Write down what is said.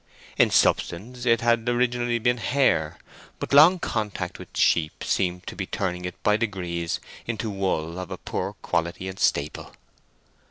In substance it had originally been hair, but long contact with sheep seemed to be turning it by degrees into wool of a poor quality and staple.